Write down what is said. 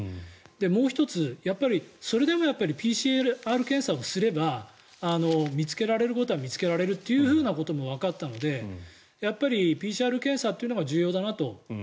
もう１つそれでもＰＣＲ検査をすれば見つけられることは見つけられるということはわかったので、やっぱりＰＣＲ検査というのが重要だなと。